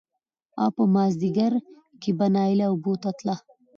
او په مازديګر کې به نايله اوبو ته تله